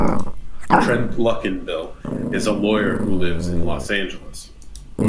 Trent Luckinbill is a lawyer who lives in Los Angeles.